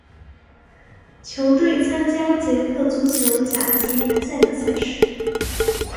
球队参加捷克足球甲级联赛的赛事。